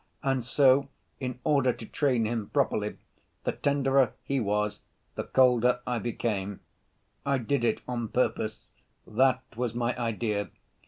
And so, in order to train him properly, the tenderer he was, the colder I became. I did it on purpose: that was my idea.